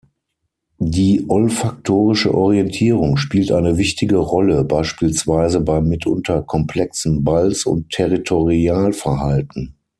Die olfaktorische Orientierung spielt eine wichtige Rolle, beispielsweise beim mitunter komplexen Balz- und Territorialverhalten.